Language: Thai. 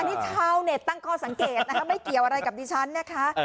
อันนี้ชาวเน็ตตั้งข้อสังเกตนะคะไม่เกี่ยวอะไรกับดิฉันนะคะ